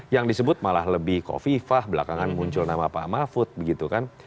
yang disebut malah lebih kofifah belakangan muncul nama pak mahfud begitu kan